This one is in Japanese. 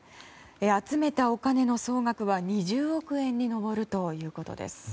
集めたお金の総額は２０億円に上るということです。